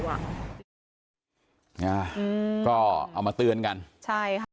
นี่ล่ะก็เอามาเตือนกันใช่ค่ะ